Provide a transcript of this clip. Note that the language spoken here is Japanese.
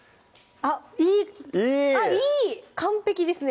あっいい完璧ですね